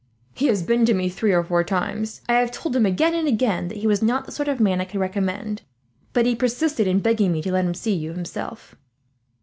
He has been to me three or four times. I have told him again and again that he was not the sort of man I could recommend, but he persisted in begging me to let him see you himself."